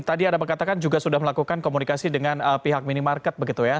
tadi ada mengatakan juga sudah melakukan komunikasi dengan pihak minimarket